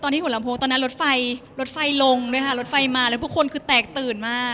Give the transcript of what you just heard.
ที่หัวลำโพงตอนนั้นรถไฟรถไฟลงด้วยค่ะรถไฟมาแล้วทุกคนคือแตกตื่นมาก